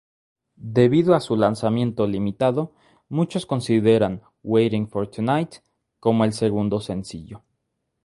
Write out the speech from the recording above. Debido a su lanzamiento limitado, muchos consideran "Waiting for Tonight" como el segundo sencillo.